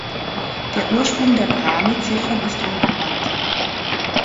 Der Ursprung der Brahmi-Ziffern ist unbekannt.